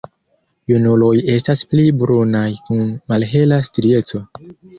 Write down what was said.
Junuloj estas pli brunaj kun malhela strieco.